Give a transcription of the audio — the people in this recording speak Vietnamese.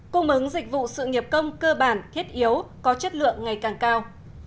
cung ứng dịch vụ sự nghiệp công cơ bản thiết yếu có chất lượng ngày càng cao